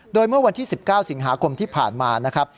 โดยเมื่อวันที่๑๙สิงหาคมที่ผ่านมานะครับ